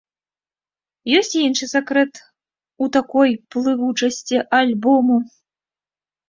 Ёсць і іншы сакрэт у такой плывучасці альбому.